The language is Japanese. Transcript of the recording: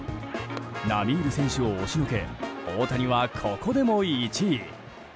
並みいる選手を押しのけ大谷は、ここでも１位。